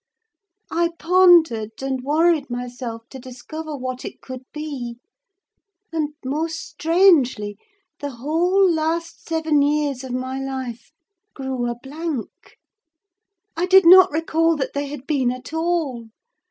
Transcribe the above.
I pondered, and worried myself to discover what it could be, and, most strangely, the whole last seven years of my life grew a blank! I did not recall that they had been at all.